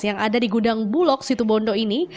yang ada di gudang bulog situbondo ini